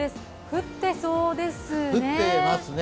降っていそうですね。